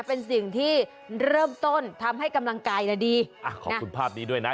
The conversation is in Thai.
เป็นสิ่งที่เริ่มต้นทำให้กำลังกายน่ะดีอ่ะขอบคุณภาพนี้ด้วยนะ